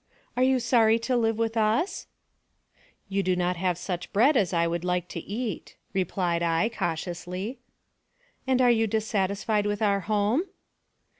"Are you sorry to live with us?" " You do not have such bread as I would like to eat," replied I, cautiously. "And are you dissatisfied with our home?"